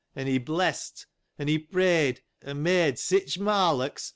and he blessed ; and he prayed ; and he made such marlocks.